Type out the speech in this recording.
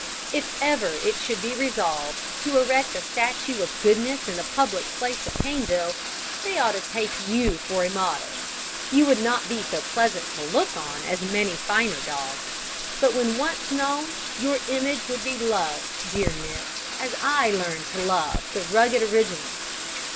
if ever it should be resolved to erect a statue of goodness in the public place of Caneville, they ought to take you for a model; you would not be so pleasant to look on as many finer dogs, but when once known, your image would be loved, dear Nip, as I learned to love the rugged original.